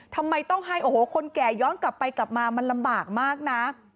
ทำไมต้องให้โอ้โหคนแก่ย้อนกลับไปกลับมามันลำบากมากนะ